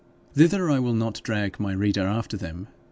Thither I will not drag my reader after them.